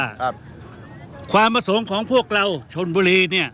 ว่าความอสงของพวกเราชนบุรีเนี่ย